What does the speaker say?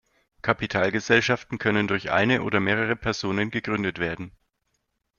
Kapitalgesellschaften können durch eine oder mehrere Personen gegründet werden.